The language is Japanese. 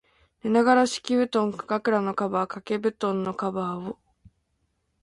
寝ながら、敷布、枕のカバー、掛け蒲団のカバーを、